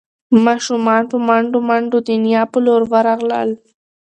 ماشومان په منډو منډو د نیا په لور ورغلل.